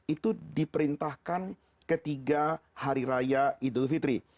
itu diperintahkan ketiga hari raya idul fitri